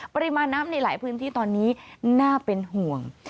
ปริมาณน้ำในหลายพื้นที่ตอนนี้น่าเป็นห่วง